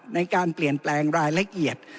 ในการเปลี่ยนแปลงรายละเอียด